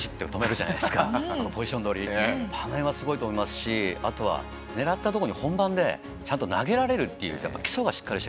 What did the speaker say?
あの辺はすごいと思いますしあとは狙ったところに本番でちゃんと投げられるという。